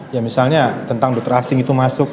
ya misalnya tentang dokter asing itu masuk